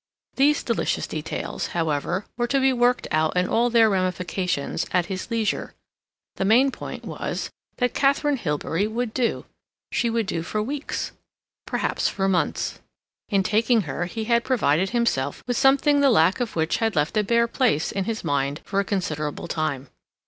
These delicious details, however, were to be worked out in all their ramifications at his leisure; the main point was that Katharine Hilbery would do; she would do for weeks, perhaps for months. In taking her he had provided himself with something the lack of which had left a bare place in his mind for a considerable time.